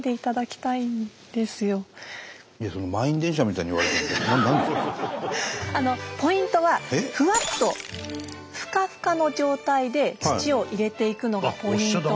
伊達さんそんなふうにポイントはふわっとふかふかの状態で土を入れていくのがポイント。